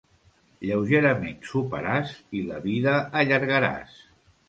Lleugerament soparàs i la vida allargaràs.